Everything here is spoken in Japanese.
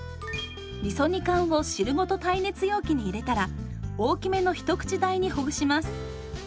みそ煮缶を汁ごと耐熱容器に入れたら大きめのひと口大にほぐします。